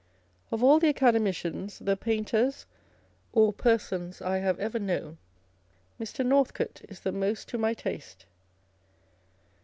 Of all the Academicians, the Painters, or persons I have ever known, Mr. Northcote is the most to my taste.